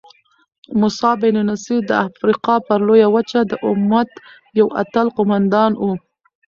موسی بن نصیر د افریقا پر لویه وچه د امت یو اتل قوماندان وو.